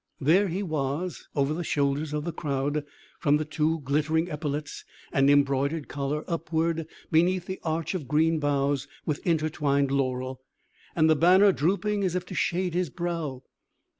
There he was, over the shoulders of the crowd, from the two glittering epaulets and embroidered collar upward, beneath the arch of green boughs with intertwined laurel, and the banner drooping as if to shade his brow!